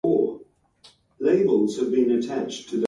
タンザニアの首都はドドマである